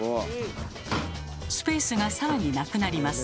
スペースが更になくなります。